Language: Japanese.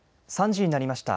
３時になりました。